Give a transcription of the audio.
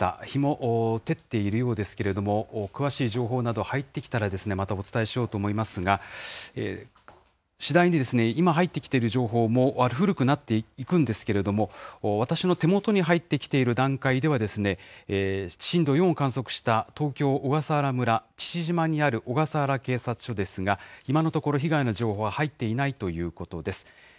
日も照っているようですけれども、詳しい情報など入ってきたらまたお伝えしようと思いますが、次第に、今、入ってきている情報も古くなっていくんですけれども、私の手元に入ってきている段階では、震度４を観測した東京・小笠原村父島にある小笠原警察署ですが、今のところ、被害の情報は入っていないということです。